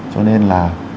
cho nên là